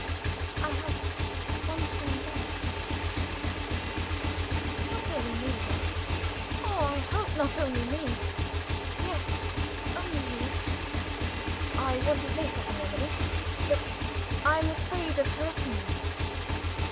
"I have one friend left," she said. "Not only me, love oh, I hope not only me!" "Yes. Only you." "I want to say something, Emily; but I am afraid of hurting you."